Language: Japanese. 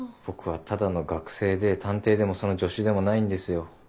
僕はただの学生で探偵でもその助手でもないんですよ。